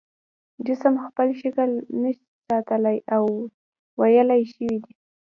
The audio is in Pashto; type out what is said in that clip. جسم خپل شکل نشي ساتلی او ویلې شوی دی.